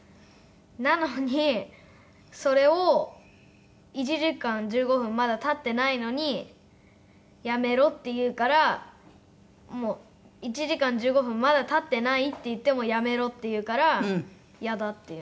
なのにそれを１時間１５分まだ経ってないのに「やめろ」って言うから「１時間１５分まだ経ってない」って言っても「やめろ」って言うから「イヤだ」って言う。